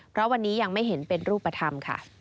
เพราะวันนี้ยังไม่เห็นเป็นรูปธรรมค่ะ